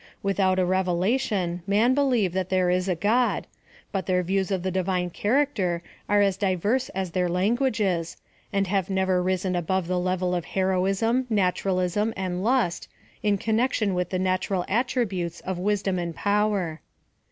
Without a revelation men believe that there is a God ; but their views of the divine character are as diverse as their languages, and have never risen above the 17 268 PHILOSOPHY OF THE level of heroism, naturalism, and lust, in connection with the natural attributes of wisdom and power.